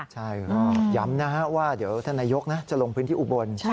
ใช่ก็ย้ำนะฮะว่าเดี๋ยวท่านนายกจะลงพื้นที่อุบล